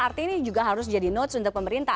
artinya ini juga harus jadi notes untuk pemerintah